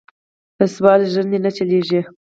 پۀ سوال ژرندې نۀ چلېږي.